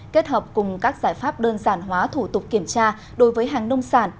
kết hợp cùng các giải pháp đơn giản hóa thủ tục kiểm tra đối với hàng nông sản